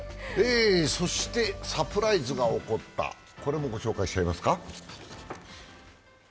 サプライズが起こった、これも御紹介しちゃいますか。